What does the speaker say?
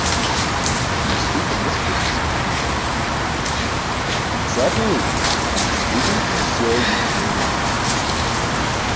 'You speak in mystery, Mr. Dacre.' 'But certainly, for I am speaking to Monsieur Eugène Valmont.'